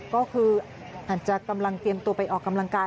ก็คืออาจจะกำลังเตรียมตัวไปออกกำลังกาย